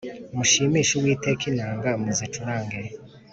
Mushimishe Uwiteka inanga Muzicurange